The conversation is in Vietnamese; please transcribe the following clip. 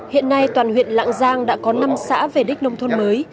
hiện nay toàn huyện lạng giang đã có năm xã về đích nông thôn mới